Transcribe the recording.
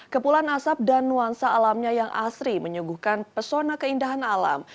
kepulan asap dan nuansa alamnya yang asri menyuguhkan pesona keindahan alam